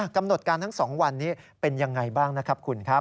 กำหนดการทั้ง๒วันเป็นยังไงบ้างคุณครับ